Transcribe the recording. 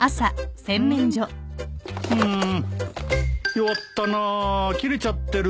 弱ったな切れちゃってる。